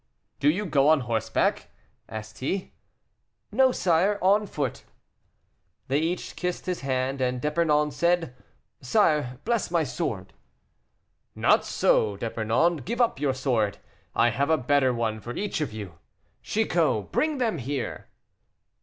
"Do you go on horseback?" asked he. "No, sire, on foot." They each kissed his hand, and D'Epernon said, "Sire, bless my sword." "Not so, D'Epernon; give up your sword I have a better one for each of you. Chicot, bring them here."